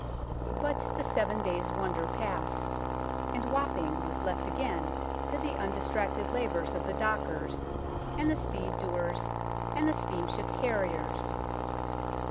But the seven days' wonder passed, and Wapping was left again to the undistracted labours of the dockers and the stevedores and the steamship carriers.